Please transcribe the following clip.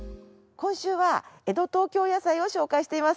今週は江戸東京野菜を紹介しています。